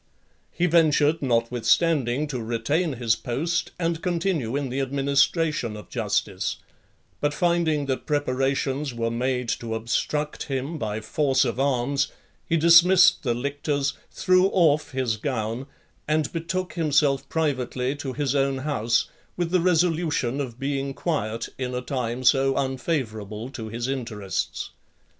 He ventured, notwithstanding, to retain his post and continue in the administration of justice; but finding that preparations were made to obstruct him by force of arms, he dismissed the lictors, threw off his gown, and betook himself privately to his own house, with the resolution of being quiet, in a time so unfavourable to his interests.